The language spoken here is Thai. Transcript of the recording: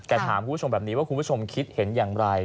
แต่ถามคุณผู้ชมแบบนี้ว่าคุณผู้ชมคิดเห็นอย่างไร